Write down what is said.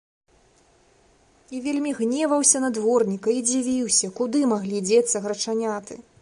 І вельмі гневаўся на дворніка і дзівіўся, куды маглі дзецца грачаняты.